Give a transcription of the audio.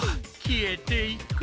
消えていく。